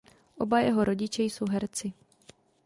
Oba jeho rodiče jsou herci.